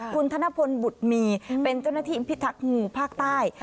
คุณธนพลบุตรมีเป็นเจ้าหน้าที่พิทักษ์งูภาคใต้